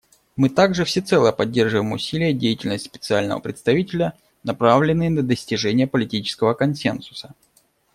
Мы также всецело поддерживаем усилия и деятельность Специального представителя, направленные на достижение политического консенсуса.